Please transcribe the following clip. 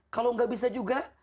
kalau gak bisa juga